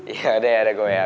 yaudah ya gue ya